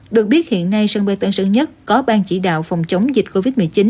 được biết hiện nay sân bay tân sơn nhất có ban chỉ đạo phòng chống dịch covid một mươi chín